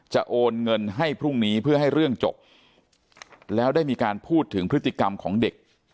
โอนเงินให้พรุ่งนี้เพื่อให้เรื่องจบแล้วได้มีการพูดถึงพฤติกรรมของเด็ก